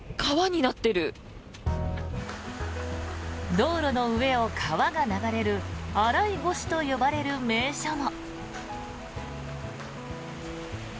道路の上を川が流れる洗い越しと呼ばれる名所も。